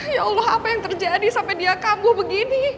ya allah apa yang terjadi sampai dia kangguh begini